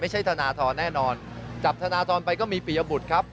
จับธนาธรไปก็มีปิยบุตรครับ